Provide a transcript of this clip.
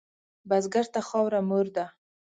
بزګر ته خاوره مور ده